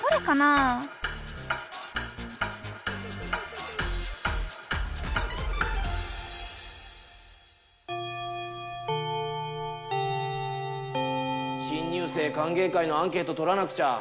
あ新入生かんげい会のアンケートとらなくちゃ。